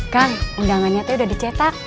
kang undangannya tuh udah dicetak